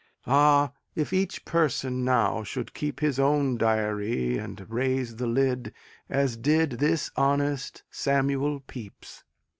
Ah, if each person now should keep his Own diary and raise the lid As did this honest Samuel Pepys!